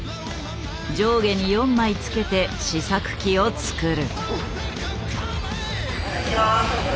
上下に４枚付けて試作機を作る。